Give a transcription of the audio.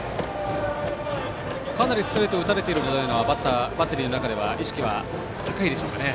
かなりストレート打たれているというのはバッテリーの中では意識は高いでしょうかね。